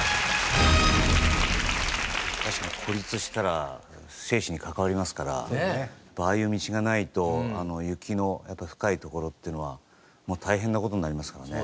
確かに孤立したら生死に関わりますからああいう道がないと雪のやっぱ深い所っていうのはもう大変な事になりますからね。